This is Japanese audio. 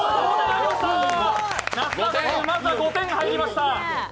那須さん、まずは５点入りました。